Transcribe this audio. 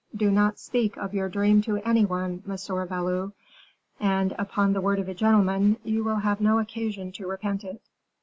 Do not speak of your dream to any one, Monsieur Valot, and, upon the word of a gentleman, you will have no occasion to repent it.